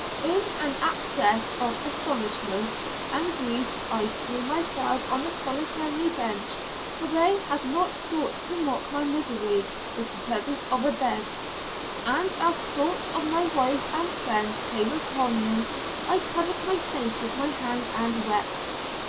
In an access of astonishment and grief I threw myself on the solitary bench, for they had not sought to mock my misery with the presence of a bed, and as thoughts of my wife and friends came upon me, I covered my face with my hands and wept.